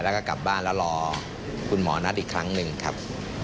แล้วก็กลับบ้านแล้วรอคุณหมอนัทอีกครั้งหนึ่งครับ